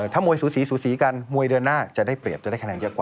ถ้ามวยสูสีสูสีกันมวยเดินหน้าจะได้เปรียบจะได้คะแนนเยอะกว่า